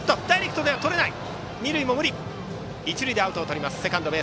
一塁でアウトをとります。